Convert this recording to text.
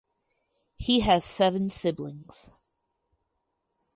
He has seven siblings.